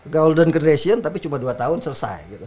golden generation tapi cuma dua tahun selesai gitu